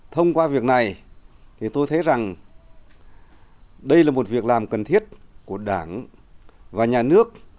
thông qua việc này thì tôi thấy rằng đây là một việc làm cần thiết của đảng và nhà nước